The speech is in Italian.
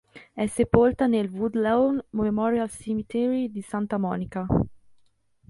È sepolta nel Woodlawn Memorial Cemetery di Santa Monica.